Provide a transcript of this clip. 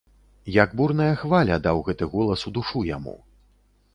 Як бурная хваля, даў гэты голас у душу яму.